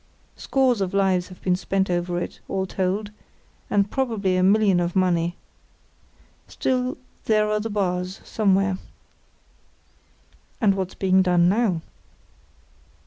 Scores of lives have been spent over it, all told, and probably a million of money. Still there are the bars, somewhere." "And what's being done now?"